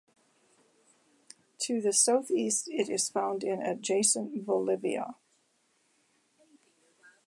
To the southeast it is found in adjacent Bolivia.